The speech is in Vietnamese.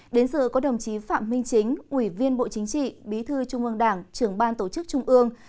đến sự có đồng chí phạm minh chính ủy viên bộ chính trị bí thư trung ương đảng trưởng ban tổ chức trung ương